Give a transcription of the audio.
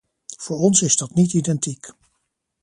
Voor ons is dat niet identiek.